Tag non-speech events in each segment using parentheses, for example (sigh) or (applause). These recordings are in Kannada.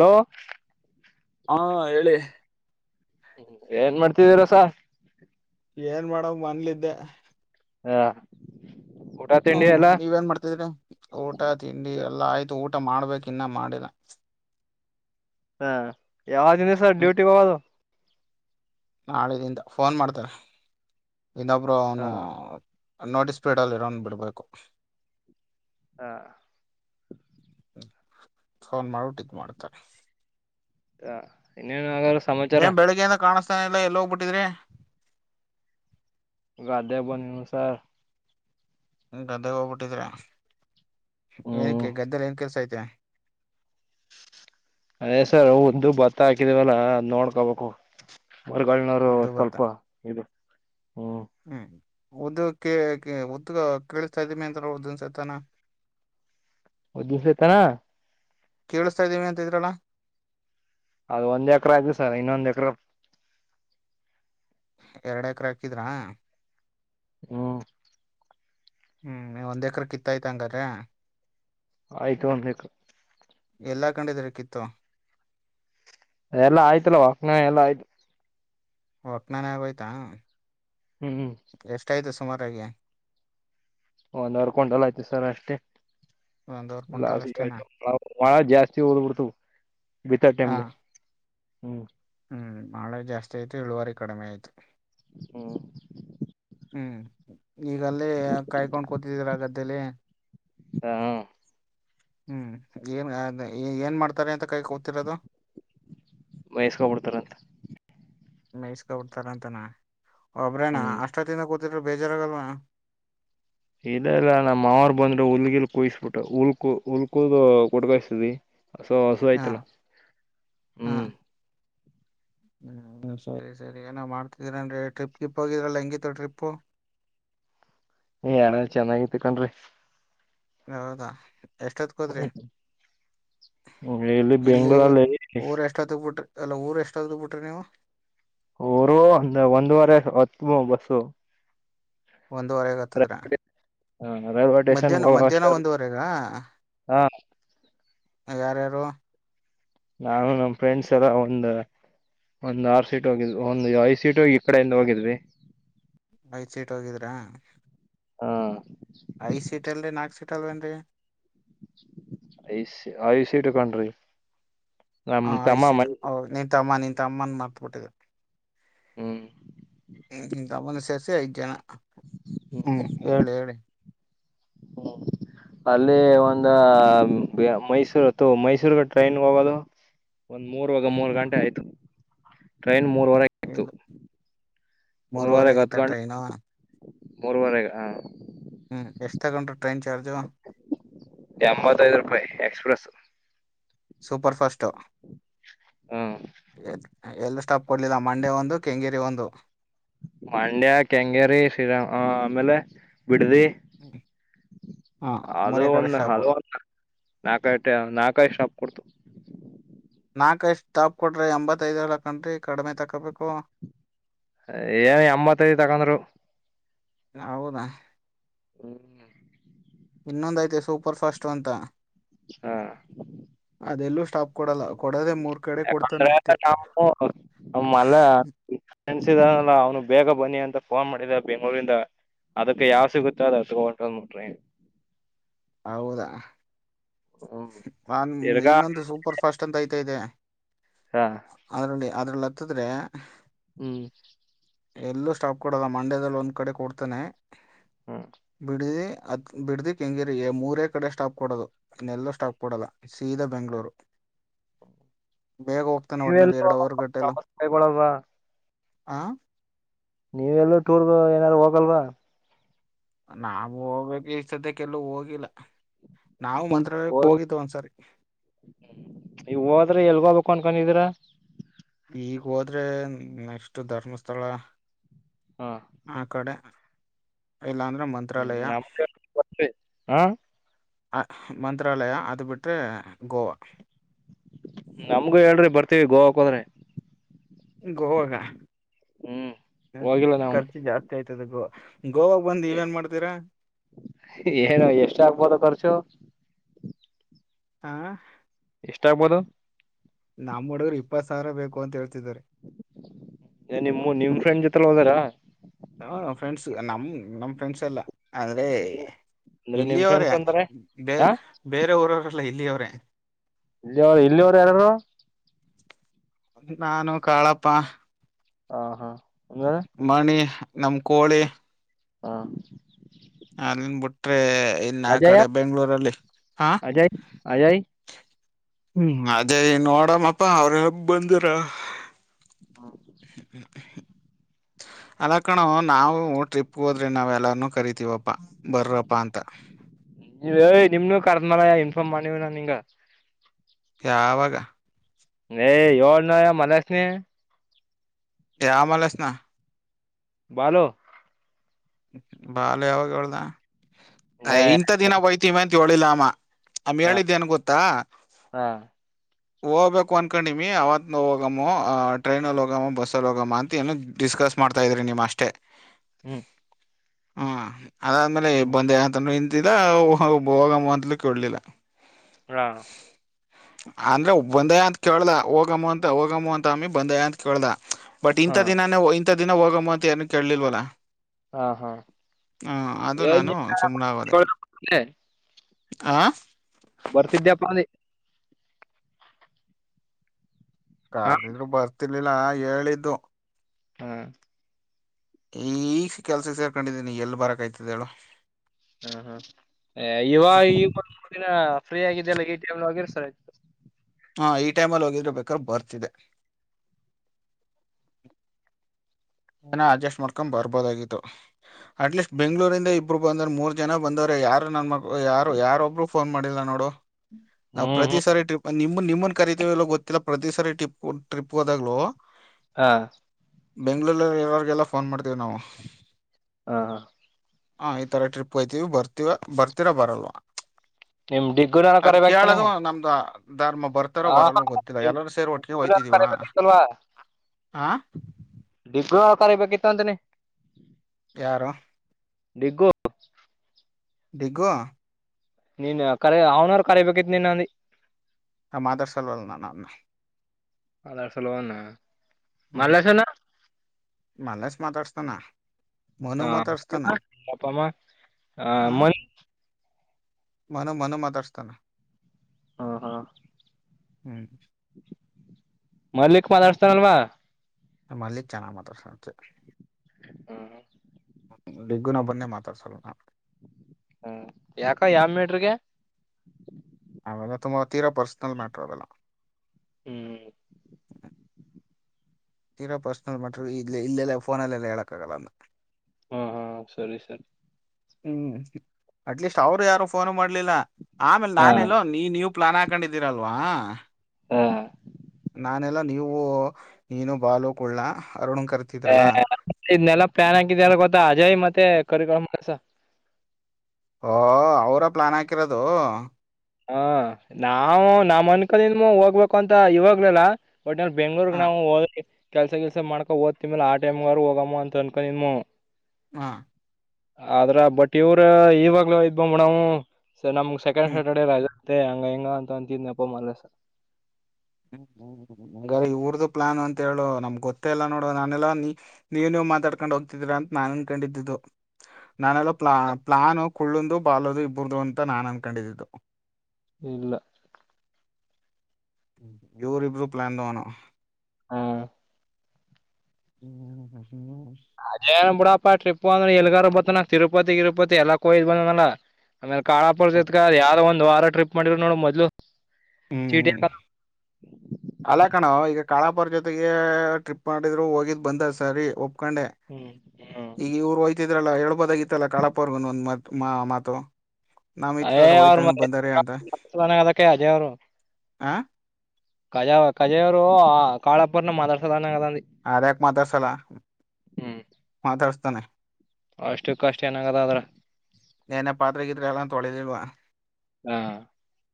ಹಲೋ ಹಾ ಹೇಳಿ ಏನ್ ಮಾಡ್ತಿದೀರ ಸರ್ ಏನ್ ಮಾಡಡಮ್ ಮನ್ಲಿದ್ದೆ ಹಾ ಹ್ಮ್ ನೀವ ನ್ ಮಾಡ್ತಿದೀ್ರಿ ಊಟ ತಿಂಡಿ ಎಲ್ಲಾ ಆಯ್ತು ಊಟ ಮಾಡ್ಬೇಕಕ್ ಇನ್ನ ಮಾಡಿಲ್ಲ ಹಾ ಯಾಗ್ಲಿಂದ್ ಸರ್ ಡ್ಯೂಟಿಗೆ ಹೋಗದು ನಾಳಿಂದ ಫೋನ್ ಮಾಡ್ತಾರೆ ಇನ್ನೊಬ್ರು ಹಾ ಅವನು ನೋಟಿಸ್ ಪೀರ್ಡಲ್ಲಿ ಇರೋನ್ ಬಿಡ್ಬೇಕು ಹಾ ಹ್ಮ ಅವನ್ ಮಾಡ್ಬಟ್ಟಿದ ಮಾಡ್ತಾನೆ ಹನ್ನೇ ಆ (unintelligible) ಏನ್ ಬೆಳಗ್ಗೆಯಿಂದ ಕಾಣಿಸ್ತಾನೆ ಇಲ್ಲ ಎಲ್ಲಿ ಹೋಗ್ಬಿಟ್ಟಿದ್ರಿ ಗಾದ್ದೆಗೆ ಬಂದಿನು ಸರ್ ಗದ್ದೆಗೆ ಹೋಗ್ಬಿಟ್ಟಿದ್ರ ಹ್ಮ್ ಏನಕ್ಕೆ ಗದ್ದೆ ಏನ್ ಕೆಲ್ಸ ಐತೆ ಅದೇ ಸರ್ ಒಂದು ಭತ್ತ ಹಾಕಿದವಲ್ಲ ಅದು ನೋಡ್ಕೋಬೇಕು ಮರಗಳನವರು ಉದ್ದು ಭತ್ತ ಸ್ವಲ್ಪ ಇದು ಹ್ಮ ಹ್ಮ್ ಉದ್ದಕ್ಕೆ ಉದಗ ಕೇಳಸ್ತಾ ಇದ್ದೀನಿ ಅಂತ ಉದದ ಸತಾನ ಒದ ಸತನಾ ಕೇಳಿಸ್ತಾ ಇದ್ದೀವಿ ಅಂತ ಇದ್ರಲ್ಲ ಅದು ಒಂದ್ ಎಕ್ರೆ ಆಯ್ತು ಸರ್ ಇನ್ನೊಂದ್ ಎಕ್ರೆ ಎರಡ್ ಎಕರೆ ಹಾಕಿದ್ರಾ ಹ್ಮ ಹ್ಮ್ ನೀ ಒಂದ್ ಎಕರ್ ಕಿತ್ತೊಯ್ತ ಹಂಗಾರೆ ಆಯ್ತು ಒಂದ್ ಎಕ ಎಲ್ಲ್ ಹಾಕಂಡದ್ರಿ ಕಿತ್ತು ಎಲ್ಲ ಆಯ್ತಲ್ಲಾ ವಂಕಣ ಎಲ್ಲ ಆಯ್ತ್ ವಕಣ್ಣನನೆ ಆಗೋಯ್ತಾ ಹ್ಮ್ ಎಷ್ಟಾಯ್ತು ಸುಮಾರಾಗಿ ಒಂದವರ್ ಕೊಂಟಲ್ಲ ಆಯ್ತು ಸರ್ ಅಷ್ಟೇ ಒಂದೂವರೆ ಲ ಕ್ವಿಂಟಲ್ ಅಷ್ಟೇನಾ (unintelligible) ಒಳ ಜಾಸ್ತಿ ಉಳದ ಬುಡ್ತುವ ಬಿತ್ತ ಹಾ ಟೈಮ್ರಿ ಹ್ಮ್ ಮಳೆ ಜಾಸ್ತಿ ಆಯ್ತು ಇಳುವರಿ ಕಡಿಮೆ ಆಯ್ತು ಹ್ಮ ಹ್ಮ್ ಈಗಲ್ಲೇ ಕಾಯ್ಕೊಂಡ್ ಕೂತಿದ್ದೀರ ಗದ್ದೆಲಿ ಹಾ ಹ್ಮ್ ಹ್ಮ್ ಏನ್ ಏನ್ ಮಾಡ್ತಾರೆ ಅಂತ ಕಾಯಕೊತಿರದು ವಯಸ್ಕೊಬಿಡ್ತಾರಂತ ಮೇಯಿಸ್ಕೊಬಿಡ್ತಾರ ಅಂತಾನ ಒಬ್ರೇನಾ ಹ್ಮ್ ಅಷ್ಟೊತ್ತಿಂದ ಕೂ ತಿದಿರ್ ಬೇಜಾರಾಗಲ್ವ. ಇಲ್ಲ ಇಲ್ಲ ನಮ್ಮ ಮಾವರು ಬಂದ್ರು ಹುಲ್ಗಿಲ್ ಕುಹಿಸ್ಬಿಟ್ಟು ಉಲ್ಕು ಉಲ್ಕೂದೂ ಕೋಟ್ಕಯ್ಸಿದವಿ. ಹಸು ಹಸು ಹಾ ಐತಲ್ಲ ಹಾ ಹ್ಮ್. ಹ್ಮ್ ಸರಿ ಸರಿ ಏನೋ ಮಾಡ್ತಿದರನ್ರಿ ಟ್ರಿಪ್ ಗಿಪ್ಗೋಗಿದ್ರಲ್ಲಾ ಹೆಂಗಿತ್ತು ಟ್ರಿಪ್ಪು. ಏ ಅಣ್ಣ ಅಲ್ ಚೆನ್ನಾಗಿತು ಕನ್ರಿ. ಹೌದಾ. ಎಷ್ಟೊತ್ಕೋದ್ರಿ ಹ್ಮ ಎಲ್ಲಿ ಬೆಂಗಳೂರಲ್ಲಿ. ಎಷ್ಟತ್ತ ಬಿಟ್ರಿ ಅಲ್ಲ ಊರ್ ಎಷ್ಟತ್ತೂಗ ಬಿಟ್ರಿ ನೀವು. ಊರು ಒಂದ ಒಂದುವರೆ ಹತ್ವು ಬಸ್ಸು. ಒಂದುವರೆಗೆ ಹ ಹತದ್ರಾ ರೈಲ್ವೆ ಸ್ಟೇಷನ್ ಮಧ್ಯಾಹ್ನ ಹೋಗಷ್ಟ ಮಧ್ಯಾಹ್ನ ಒಂದುವರೆಗಾ. ಹಾ ಯಾರ ಯಾರು. ನಾನು ನಮ್ ಫ್ರೆಂಡ್ಸ್ ಎಲ್ಲ ಒಂದ್. ಒಂದು ಆರ್ ಸೀಟ ಹೋಗಿದ್ವು ಒಂದ್ ಐದ್ ಸೀಟ್ ಈ ಕಡೆಯಿಂದ ಹೋಗಿದ್ವಿ. ಐದ್ ಸೀಟ್ ಹೋಗಿದ್ರ. ಹ್ಮ್ ಐದ್ ಸೀಟ್ ಅಲ್ರಿ ನಾಲ್ಕ್ ಸೀಟ್ ಅಲ್ವೇನ್ರಿ. ಐಸ್ ಐದ್ ಸೀಟು ಕನ್ರೀ. ಹ ಐದ್ ಸೀಟ್ ಹ ನಿನ್ ತಮ್ಮ ನಿನ್ ತಮ್ಮನ್ ಮರತ್ಬಿಟ್ಟಿದಿವಿ. ಹ್ಮ್ ಹ್ಮ ನೀನ್ ತಮ್ಮಂದ ಸೇರ್ಸಿ ಐದ್ ಜನ ಹ್ಮ್ ಹೇಳಿ ಹೇಳಿ (inaudible) ಅಲ್ಲಿ ಒಂದು ಮೈಸೂರು ತು ಮೈಸೂರ್ಗ ಟ್ರೈನ್ಗೆ ಹೋಗೋದು. ಒಂದ್ ಮೂರ್ವಾಗ ಮೂರು ಹ್ಮ್ ಗಂಟೆ ಆಯ್ತು ಟ್ರೈನ್ ಮೂರ್ವರೆ ಇಲ್ಲ ಮೂರುವರೆಗಿತ್ತ್ ಟ್ರೈನು. ಮೂರುವರೆಗ ಹ. ಹ್ಮ್, ಎಷ್ಟು ತಗೊಂಡ್ರ ಟ್ರೈನ್ ಚಾರ್ಜು. ಎಂಬತ್ತೈದು ರೂಪಾಯಿ ಎಕ್ಸ್ಪ್ರೆಸ್. ಸೂಪರಪಾಸ್ಟು ಹ್ಮ್, ಎಲ್ಲು ಸ್ಟಾಪ್ ಕೊಡ್ಲಿಲ್ಲ ಮಂಡ್ಯ ಒಂದು, ಕೆಂಗೇರಿ ಒಂದು. ಮಂಡ್ಯ, ಕೆಂಗೇರಿ ಶ್ರೀರಾಮ ಆಮೇಲೆ ಬಿಡ್ದಿ. ಹ ಅದು ಮೂರೇ ಕಡೆ ಒಂದು ಸ್ಟಾಪು ಅದು ಒಂದು ನಾಕಾಯಟ ನಾಲ್ಕಾಯಷ್ಟುಾಪ್ ಕೊಡ್ತು. (unintelligible) ನಾಕೈದುಸ್ಟಾಪ್ ಕೊಟ್ರೆ ಎಂಬತ್ತ್ತೈದ್ ತಕಂತಿ ಕಡಿಮೆ ತಕೋಬೇಕು. ಹೇಯ್ ಎಂಬತೈದ್ ತಗೊಂದ್ರು. ಹೌದಾ! ಹ್ಮ್ (inaudible) ಇನ್ನೊಂದಐತೆ ಸೂಪರ್ ಫಾಸ್ಟ್ ಅಂತ. ಹ್ಮ್, ಅದೆಲ್ಲೂ ಸ್ಟಾಪ್ ಕೊಡಲ್ಲ. ಕೊಡದೆ ಮೂರ್ ಕಡೆ ಕೊಡ್ತಾನ ಅಷ್ಟೆ. ಹ ಮಲ್ಲ (unintelligible) ನೆನ್ಸಿದಲ್ಲ ಅವ್ನು ಬೇಗ ಬನ್ನಿ ಅಂತ ಫೋನ್ ಮಾಡಿದ ಬೆಂಗಳೂರಿಂದ. ಅದಕ್ಕೆ ಯಾವ್ ಸಿಗುತ್ತೋ ಅದ ಅದು ತೊಗೊಂಡಂದ್ ನಡ್ರಿ. (unintelligible) (unintelligible) ಹೌದಾ ಹ್ಮ (unintelligible) ನನ್ ತಿರ್ಗಾ ಇನ್ನೊಂದು ಸೂಕ್ ಸೂಪರ್ ಫಾಸ್ಟ್ ಅಂತ ಐತಾಇದೆ. ಹಾ, ಅದರಲ್ಲಿ ಅತ್ತಿದ್ರೆ ಹ್ಮ್ (inaudible) ಎಲ್ಲೂ ಸ್ಟಾಪ್ ಕೊಡಲ್ಲ ಮಂಡ್ಯದಲ್ಲಿ ಒಂದ್ ಕಡೆ ಕೊಡ್ತಾನೆ. ಹ್ಮ್ ಬಿಡ್ದಿ ಅದ್ ಬಿಡ್ದಿ, ಕೆಂಗೇರಿಗೆಮೂರೇ ಕಡೆ ಸ್ಟಾಪ್ ಕೊಡೋದು. ಎಲ್ಲೂ ಸ್ಟಾಪ್ಕೊಡೋಲ್ಲ ಸೀದ ಬೆಂಗಳೂರು ಬೇಗ ಹೋಗ್ತಾನ ಒಟ್ನಲ್ಲಿ ನೀವೆಲ್ಲೂ ಎರಡು ಅವರ್ ಗಂಟೆಲ್ಲ ಪ್ರವಾಸ ಕೈಗೊಳಲ್ವಾ ಆ ನೀವೆಲ್ಲೂ ಟೂರ್ ಏನಾರು ಹೋಗಲ್ವಾ ನಾವು ಹೋಗ್ಬೇಕ ಈ ಸದ್ಯಕ್ಕೆಲ್ಲು ಹೋಗಿಲ್ಲ ನಾವು ಮಂತ್ರಾಲಯಕ್ಕೆ ಹೋಗಿದ್ದ ಒಂದ್ಸರಿ. ನೀವು ಹೋದ್ರೆಎಲ್ ಹೋಗಬೇಕು ಅನ್ಕೊಂಡಿದೀರಾ ಈಗ ಹೋದ್ರೆ ನೆಕ್ಸ್ಟ್ ಧರ್ಮಸ್ಥಳ ಹಾ, ಆ ಕಡೆ ಇಲ್ಲಾಂದ್ರೆ ಹ್ಮ್ ಮಂತ್ರಾಲಯ ನಮ್ಗೆ ಬರ್ತೀವಿ ಹ ಮಂತ್ರಾಲಯ ಅದು ಬಿಟ್ಟರೆ ಗೋವಾ. - ನಮ್ಗು ಹೇಳ್ರಿ ಬರ್ತವಿ ಗೋವಾಕ ಕೋದ್ರೆ. ಗೋವಾನ ಹ್ಮ್, ಹೋಗಿಲ್ಲ ನಾವು ಖರ್ಚು ಜಾಸ್ತಿ ಆಯ್ತದೆಬ್ರೋ, ಗೋವಾ ಗೋವಾಗ ಬಂದು ಇವೇನ್ ಮಾಡ್ತೀರಾ. ಏನು ಎಷ್ಟಾಗ್ಬೋದು ಖರ್ಚು. ಹಾ, ಎಷ್ಟಾಗ್ಬೋದು. ನಮ್ಮ್ ಹುಡುಗರು ಇಪ್ಪತ್ ಸಾವಿರ ಬೇಕು ಅಂತ ಹೇಳ್ತಿದ್ದಾರೆ. ನಿಮ್ಮ ನಿಮ್ ಫ್ರೆಂಡ್ ಜೊತೆಲ್ಲಾ ಹೋಗೋರಾ, (unintelligible) ಹ ಫ್ರೆಂಡ್ಸ್ ನಮ ನಮ್ ಫ್ರೆಂಡ್ಸ್ ಎಲ್ಲಾ ಅಂದ್ರೆ ಅಂದ್ರೆ ನಿಮ್ ಇಲ್ಲಿಯ ಅವರೇ ಫ್ರೆಂಡ್ಸ್ ಅಂತಾರೆ ಹ ಬೇರೆ ಊರವರೆಲ್ಲ ಇಲ್ಲಿಯ ಅವರೆೇ ಇಲ್ಲಿ ಅವರು ಇಲ್ಲಿವ್ರು ಯಾರರು ನಾನು ಕಾಳಪ್ಪ ಹಾ ಹಾ ಅಂಗರೇ ಮಣಿ ನಮ್ಮ ಕೋಳಿ ಹಾ ಅಲ್ಲಿನ್ ಬಿುಟ್ರೆ ಇನ್ ಆ ಅಜಯ ಕಡೆ ಬೆಂಗ್ಳೂರಲ್ಲಿ ಹಾ ಅಜಯ್ ಅಜಯ್ ಹ್ಮ್ ಅದೇ ನೋಡಮ್ಮಪ್ಪಾ ಅವ್ರ ಹಬ್ ಬಂದರ ಹ್ಮ ಹ್ಮ ಅಲ್ಲ ಕಣೋ ನಾವು ಟ್ರಿಪ್ಗೆ ಹೋದ್ರೆ ನಾವೆಲ್ಲಾರನ್ನೂ ಕರಿತೀವಪ್ಪಾ ಬರ್ರಪ್ಪಾ ಅಂತ ನೀವ ನಿಮ್ನ್ನು ಕರ್ದನಲ ಇನ್ಫಾರ್ಮ್ ಮಾಡಿವ್ ನಾನ್ ನಿಂಗ ಯಾವಾಗ ನ ಎಳ ನ ಮನಸ್ ನೀ ಯ ಆಮಲೆಸ್ ನ ಬಾಲು ಬಾಲ್ ಯಾವಾಗ ಹೇಳ್ದ ಏ ಇಂತ ದಿನ ಹೊಯ್ತಿವಿ ಅಂತ ಹೇಳಿಲ್ಲ ಅವ ಆಮ ಹ ಹೇಳಿದ್ದೇ ನ್ ಗೊತ್ತಾ ಹಾ ಹೋಗ್ಬೇಕು ಅನ್ಕೊಂಡೀಮಿ ಅವತ್ ಹೋಗಮ್ಮೋ ಟ್ರೈನಲ್ಲಿ ಹೋಗಮ್ಮೋ ಬಸ್ಸಲ್ಲಿ ಹೋಗಮ್ಮ ಅಂತ ಏನು ಡಿಸ್ಕಸ್ ಮಾಡ್ತಾ ಇದ್ರರಿ ನಿಮ್ಮ ಅಷ್ಟೇ ಹ್ಮ್ ಹಾ ಅದಾದ್ಮೇಲೆ ಹ್ಮ್ ಬಂದ ಯಂತಂದೂ ನಿಂತಿಲ್ಲ ಹೋಗಮ್ಮ ಅಂತಲೂ ಕೇಳಲಿಲ್ಲ ಹಾ ಅಂದ್ರೆ ಬಂದೇ ಅಂತ ಕೇಳಲ ಹೋಗಮ್ಮ ಅಂತ ಹೋಗಮ್ಮ ಅಂತ ಅಮಿ ಬಂದೇ ಅಂತ ಕೇಳ್ದ ಬಟ್ ಹಾ ಇಂಥ ದಿನಾನೇ ಇಂಥ ದಿನ ಹೋಗ ಮತ್ ಏನ ಕೇಳಲಿಲ್ವಲ್ಲ ಹಾ ಹಾ ಹ ಅದು ನಾನು ಸುಮನೆಗೋದೆ ಆ ಬರ್ತಿದ್ದ್ಯಾಪ್ಪ ಅ ಹ ಕಾರ್ದ್ರು ಬರ್ತಿರ್ಲಿಲ್ಲ ಹೇಳಿದ್ದು ಹ್ಮ್ ಈಗ ಕೆಲ್ಸಕ್ಕೆ ಸೇರ್ಕೊಂಡಿದ್ದೀನಿ ಎಲ್ಲಿ ಬರಕ್ಯ್ತಿದ್ದೇಳು ಹ್ಮ್ ಹ್ಮ್ ಇವಾಗ ಈಗ ಒಂದ ಮೂರು ದಿನ ಫ್ರೀ ಆಗಿದ್ದಲ್ಲ ಎ ಟಿ ಎಂ ಆಗಿರ್ತಾರೆ ಹಾ ಈ ಟೈಮಲ್ಲಿ ಹೋಗಿದ್ರೆ ಬೇಕ್ರ ಬರ್ತಿದೆ ಅಡ್ಜಸ್ಟ್ ಮಾಡ್ಕೊಂಡ್ ಬರ್ಬೋದಾಗಿತ್ತು ಅಟ್ ಲೀಸ್ಟ್ ಬೆಂಗ್ಗಳೂರಿಂದ ಇಬ್ರು ಬಂದ್ರ ಮೂರ್ ಜನ ಬಂದವ್ರ ಯಾರು ನನ್ನ ಮಕ್ ಯಾರು ಯಾರೊಬ್ರು ಫೋನ್ ಮಾಡಿಲ್ಲ ನೋಡು ನಾವು ಹ್ಮ್ ಪ್ರತಿ ಹ್ಮ್ ಸಾರಿ ಟ್ರಿಪ್ ನಿಮ್ಮ ನಿಮ್ಮನ್ ಕರತೀವಿ ಗೊತ್ತಿಲ್ಲ ಪ್ರತಿ ಸಾರಿ ಟಿಪ್ ಟ್ರಿಪ್ ಹೋದಾಗ್ಲೂ ಹಾಂ ತಿಂಗ್ಗಳೂಲ್ಲಿ ಎಲ್ಲರಿಗೆಲ್ಲ ಫೋನ್ ಮಾಡ್ತೀವಿ ನಾವು ಹಾ ಹಾ ಹಾಂ ಈ ಥರ ಟ್ರಿಪ್ ಹೋಗಯ್ತೀವಿ ಬರ್ತೀವಿ ಬರ್ತೀರಾ ಬರಲ್ವಾ ನಿಮ್ ಡಿಗ್ಗುನ ಅದ ಕರಿಬೇಕತನ ಕೇಳದು ನಮ್ದ ಧರ್ಮ ಬರ್ತ ಬರ್ತರ ಹ ಬರಲ್ವಾ ಗೊತ್ತಿಲ್ಲ ನಿಮ್ ಎಲ್ಲರೂ ಸೇರ್ ಒಟ್ಟಿಗೆ ಹೋಗ್ತಿದೀವಾ ಕರಿಬೇಕಿತ್ತಲ್ವಾ ಆ ಡಿಗ್ ತರಬೇಕಿತ್ತು ಅಂತನಿ ಯಾರು ಡಿಗು ಡಿಗ್ಗು.... ನೀನ್ ಕರ ಅವ್ನವ್ರು ಕರಬೇಕೇಕಿತ್ ನಿನ್ ಅಂದ ನಾ ಮಾದಾರ್ ಸಲ್ವಲ್ ನನ್ನ ಮಾತ್ಡಸಲ್ವ ಅವ್ನ ಹ್ಮ್್ಮ ಮಲ್ಲೇಶ ಮಾತಾಡ್ಸ್ತಾನ ಮನು ಮಾತಾಡ್ಸ್ತಾನ ಅಪ್ಪಮ್ಮ ಹ ಮ ಮನ ಮನ ಮಾತಾಡ್ಸ್ತಾನ ಹಾ ಹಾ ಹ್ಮ್ ಮಲ್ಲಿಕ್ ಮಾತಾಡ್ತಾರಲ್ವಾ ಮಲ್ಲಿಕ್ ಚೆನ್ನಾಗಿ (unintelligible) ಹ್ಮ್ ಹ್ಮ ಿಗ್ಗುನೊಬ್ಬನ್ನೇ ಮಾತಾಡ್ಸಲ್ ನಾ ಹ್ಮ್ ಯಾಕ ಯಾವ ಮೇಡ್ರಗೆ ಅವೆಲ್ಲ ತುಂಬಾ ತೀರ ಪರ್ಸನಲ್ ಮ್ಯಾಟರ್ ಅವೆಲ್ಲ ಹ್ಮ್ ತೀರೋ ಪರ್ಸ್ನಲ್ ಮ್ಯಾಟರ್ ಇ ಇಲ್ಲೆಲ್ಲ ಫೋಲ್ಲೆಲ್ಲ ಹೇಳಕ್ಕಾಗಗಲ್ಲ ಅ ಹಾಂ ಹಾಂ ಸರಿ ಸರಿ ಹ್ಮ್ ಅಟ್ಲೀಸ್ಟ್ ಅವ್ರು ಯಾರು ಫೋನ್ ಮಾಡ್ಲಿಲ್ಲ ಆಮೇಲೆ ಹಾ ನಾನೆಲ್ಲೋ ನೀ ನೀವು್ ಪ್ಲಾನ್ ಹಾಕೊಂಡಿದ್ದೀರಲ್ವಾ ಹಾ ಹ ನಾನೆಲ್ಲಾ ನೀವು ನೀನು ಬಾಲು ಕುಳ್ಳ ಅರುಣ ಕರ್ತ ಇದ್ನ್ನಲ್ಲ ಪ್ಯಾನ್ ಹಾಕಿದಾರ ಗೊತ್ತಾ ಅಜಯ್ ಮತ್ತೆ ಕರಿಕಳ ಮಸ ಓಹ ಅವರ ಪ್ಲಾನ್ ಹಾಕಿರೋದು ಹಾ ನಾವವು ನಾವ ಮನ್ಕಲ್ಿಂದ ಹೋಗ್ಬೇಕು ಅಂತ ಇವಾಗ್ಲಲ್ಲ ಬಟ್ ಬೆಂಗ್ಳೂರ್ ಹ ನಾವು ಕೆಲ್ಸ ಕೆಲ್ಸ ಮಾಡ್ಕೋ ಓದ್ತಿ ಮೇಲೆ ಆ ಟೈಮ್ ಹೋಗಮ್ಮ ಅಂತ ಅಂದಕೊಂಡು ಹಾ ಆದ್ರ ಬಟ್ ಇವ್ರ ಇವಾಗ್ಲೂ ಇದ್ಬಮ್ಮ ನಾವು ನಮ್ಗ್ ಸೆಕೆಂಡ್ ಹ್ಮ್ ಆಗುತ್ತೆ ಹಂಗ ಹೆಂಗ ಅಂತ ಅಂತಿದ್ನ ಅಪ್ಪ ಮಲಸ ಹ್ಮ್ ಹ್ಮ್ ಇಊರದ ಪ್ಲಾನ್ ಅಂತ ಹೇಳು ನಮ್ಗ್ ಗೊತ್ತ ಎಲ್ಲಾ ನೋಡುವ ನಾನೆಲ್ಲ ನೀ ನೀವನು ಮಾತಾಡ್ಕೊಂಡ್ ಹೋಗ್ತಿದ್ದೀರಾ ಅಂತ ನಾನನ್ ಅನ್ ಕಂಡಿದ್ದಿದ್ದು ನಾನೆಲ್ಲ ಪ್ಲಾ ಪ್ಲಾನ್ ಕುಳ್ಳಂದು ಬಾಾಲದು ಇಬ್ಬರದು ಅಂತ ನಾನನ್ ಅನ್ಕೊಂಡಿದ್ದಿದ್ದು ಇಲ್ಲ ಈವರು ಇಬ್ರು ಪ್ಲಾನ್ ತನ ಹ್ಮ್ ಹ್ಮ ಹ್ಮ್ ಅದೇ ಬಿಡಪ್ಪಾ ಟ್ರಿಪ್ ಅಂದ್ರೆ ಎಲ್ಗಾರ ಬತ್ತ ನ ತಿರುಪತಿ ತಿರುಪತಿ ಎಲ್ಲಾ ಹೋ್ ಬಂದನಾ ಆಮೇಲೆ ಕಾಳಾಪರ್ತತ್ಕ ಯಾರೋ ಒಂದ್ ವಾರ ಟ್ರಿಪ್ ಮಾಡಿದ್ರು ನೋಡು ಮೊದ್ಲು ಚೀಟಿ ಹ್ಮ್ ಅಲ್ಲ ಕಣೋ ಈಗ ಕಾಳಾಪುರ ಜೊತೆಗೆ ಟ್ರಿಪ್ ಮಾಡಿದ್ರು ಹೋಗಿದ್ ಬಂದ ಸರಿ ಒಪ್ಕೊಂಡೆ ಹ್ಮ್ ಹ್ಮ್ ಿದ್ರಲ್ಲ ಹೇಳ್ಬೋದಾಗಿತ್ತಲ್ಲಾ ಕಾಳಪರ್ಗ ಒಂದ ಮಾತು ನಾವ್ ಈ ಅೇ ತರ ಹೋಯ್ತಂಗ ಬಂದಾರೆ ಅಂತ (unintelligible) ಅಜಯ ಅವರು ಆ ಕಜಖಜಾಯ ಅವರು ಕಾಳಪುರ್ನ (unintelligible) ಅದ್ಯಾಕ ಮಾತಾಡ್ಸಲ್ಲ ಮಾತಾಡ್ಸ್ತಾನೆ ಅಾಷ್ಟ ಕಾಸ್ಟ್ ಏನಾಗದ್ರ ಏನ ಪಾತ್ರಗಿತ್ರೆ ಎಲ್ಲಾ ತೊಳಲಿಲ್ವಾ ಹಾ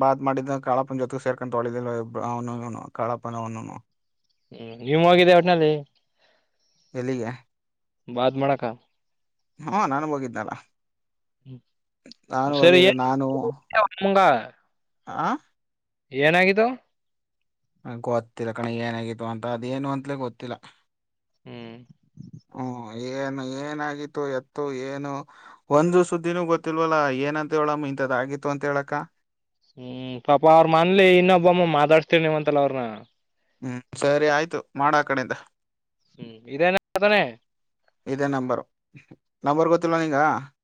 ಬಾತ್ ಮಾಡಿದ ಕಾಳಪ್ಪನ ಜೊತೆಗ್ ಸೇರ್ಕೊಂಡಂತ ಒಳ ಅವನುನು ಕಳಪ್ಪನ ಅವನುನು ಹ್ಮ್ ನೀವ್ ಹೋಗಿದ್ದ ಒಟ್ನಲ್ಲಿ ಎಲ್ಲಿಗೆ ಬಾದ್ ಮಾಡಕ ಹೂ ನಾನು ಹೋಗಿದ್ದನಲ್ಲ ಹು ಸರಿ ನಾನು (unintelligible) ಆ ಏನಾಗಿದ್ದು ಗೊತ್ತಿಲ್ಲ ಕಣ ಏನಾಗಿತ್ತು ಅಂತ ಅದೇಏನು ಅಂತಲೇ ಗೊತ್ತಿಲ್ಲ. ಹ್ಮ್ ಹ್ಮ ಏನು ಏನಾಗಿತ್ತು ಎತ್ತು ಏನು ಒಂದು ಸುದ್ದಿನೂ ಗೊತ್ತಿಲ್ವಲ್ಲ ಏನಂತ ಹೇಳಮ್ಮ ಇಂಥದ ಆಗಿತ್ತು ಅಂತ ಹೇಳಕ್ಕ ಹ್ಮ್ ಪಾಪಾ ಅವ್ರ ಮನ್ಲಿ ಇನ್ನೊಬ್ಬಮ್ಮ ಮಾತಾಡ್ಸ್ತೀರ್ ನಿವ ಅಂತಲ್ಲ ಅವ್ರನ ಹ್ಮ್ ಸರಿ ಆಯ್ತು ಮಾಡ ಆ ಕಡೆಯಿಂದ ಹ್ಮ್ ಇದೇನ ಅತಾನೆ ಇದೇ ನಂಬರ್ ನಂಬರ್ ಗೊತ್ತಿಲ್ಲ ನೀಂಗ